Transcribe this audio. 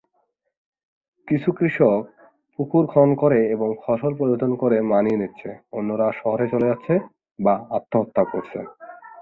কিছু কৃষক পুকুর খনন করে এবং ফসল পরিবর্তন করে মানিয়ে নিচ্ছে, অন্যরা শহরে চলে যাচ্ছে বা আত্মহত্যা করছে।